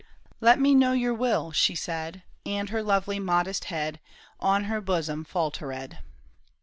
" Let me know your will," she said, And her lovely modest head On her bosom faltered.